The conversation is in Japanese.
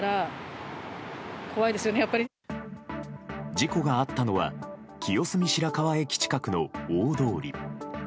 事故があったのは清澄白河駅近くの大通り。